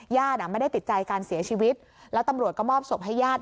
ญาติไม่ได้ติดใจการเสียชีวิตแล้วตำรวจก็มอบศพให้ญาติ